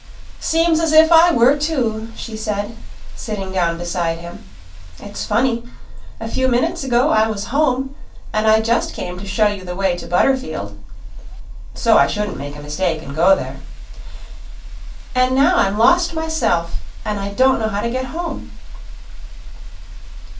"Seems as if I were, too," she said, sitting down beside him. "It's funny. A few minutes ago I was home, and I just came to show you the way to Butterfield " "So I shouldn't make a mistake and go there " "And now I'm lost myself and don't know how to get home!"